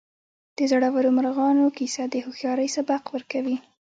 د زړورو مارغانو کیسه د هوښیارۍ سبق ورکوي.